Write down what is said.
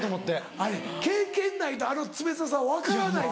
あれ経験ないとあの冷たさ分からないよな。